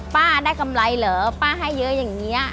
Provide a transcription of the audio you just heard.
ป้าได้กำไรเหรอป้าให้เยอะอย่างนี้